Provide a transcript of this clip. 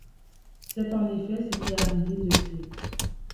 C'est en effet ce qui est arrivé depuis.